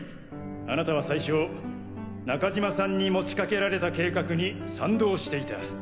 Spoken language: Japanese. あなたは最初中島さんに持ちかけられた計画に賛同していた。